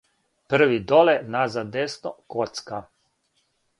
први доле назад десно коцка